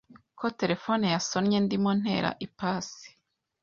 ko telefone yasonnye ndimo ntera ipasi,